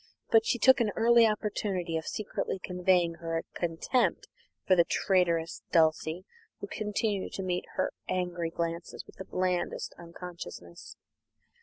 But she took an early opportunity of secretly conveying her contempt for the traitress Dulcie, who continued to meet her angry glances with the blandest unconsciousness.